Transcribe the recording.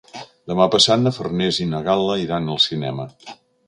Demà passat na Farners i na Gal·la iran al cinema.